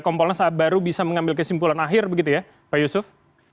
kompolnas baru bisa mengambil kesimpulan akhir begitu ya pak yusuf